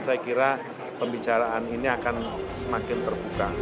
saya kira pembicaraan ini akan semakin terbuka